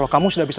di rekaman biasa